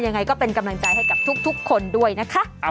ยังไงก็เป็นกำลังใจให้กับทุกคนด้วยนะคะ